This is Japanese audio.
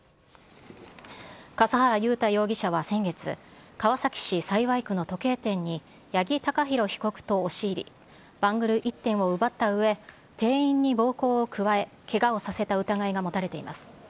笠原雄大容疑者は先月、川崎市幸区の時計店に、八木貴寛被告と押し入り、バングル１点を奪ったうえ、店員に暴行を加え、けがをさせた疑いが持たれています。